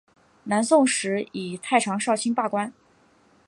南宋时以太常少卿罢官。